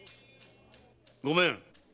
ごめん！